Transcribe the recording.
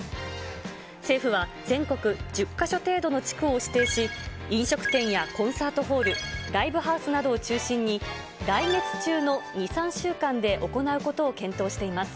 政府は、全国１０か所程度の地区を指定し、飲食店やコンサートホール、ライブハウスなどを中心に、来月中の２、３週間で行うことを検討しています。